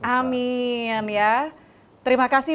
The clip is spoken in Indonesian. amin ya terima kasih